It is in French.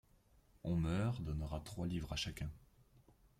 On meur donnera trois livres à chacun.